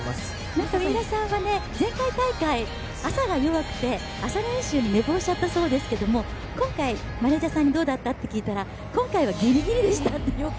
前回大会三浦さんは朝が弱くて朝練習寝坊しちゃったそうですけど今回、マネジャーさんにどうだった？って聞いたら今回はギリギリでしたと。